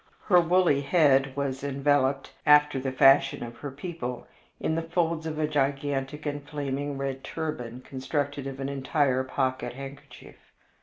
Her woolly head was enveloped, after the fashion of her people, in the folds of a gigantic and flaming red turban constructed of an entire pocket handkerchief.